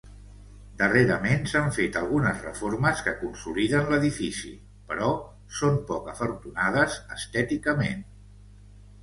Darrerament s'han fet algunes reformes que consoliden l'edifici, però són poc afortunades estèticament.